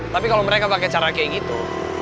tapi kalo mereka pake cara kayak gitu